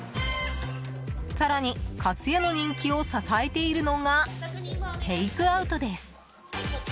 更にかつやの人気を支えているのがテイクアウトです。